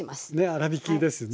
粗びきですね。